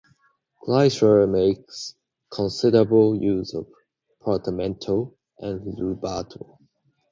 Kreisler makes considerable use of portamento and rubato.